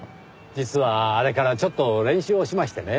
実はあれからちょっと練習をしましてね。